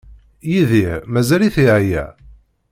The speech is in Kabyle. Yidir mazal-it yeɛya?